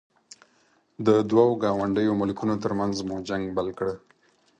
د دوو ګاونډیو ملکونو ترمنځ مو جنګ بل کړ.